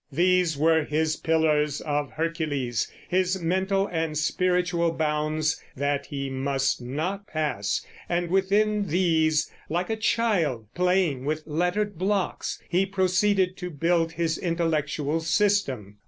These were his Pillars of Hercules, his mental and spiritual bounds that he must not pass, and within these, like a child playing with lettered blocks, he proceeded to build his intellectual system.